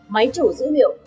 máy chủ dữ liệu